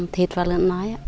thịt và lượn nói